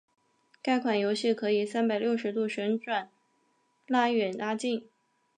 该款游戏可以三百六十度旋转拉远拉近。